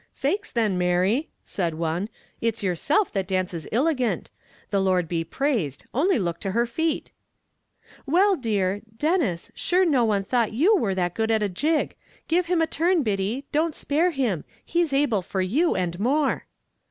"Faix then, Mary," said one, "it's yerself that dances illigant the Lord be praised only look to her feet." "Well, dear Denis, shure no one thought you were that good at a jig; give him a turn, Biddy don't spare him he's able for you and more."